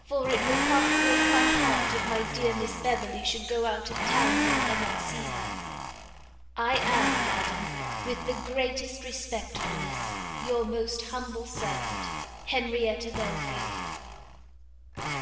for it will half break my heart, if my dear Miss Beverley should go out of town, and I not see her! I am, Madam, with the greatest respectfulness, your most humble servant, HENRIETTA BELFIELD.